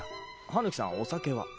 羽貫さんお酒は？